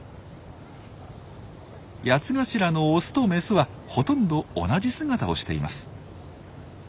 ヤツガシラのオスとメスはほとんど同じ姿をしています。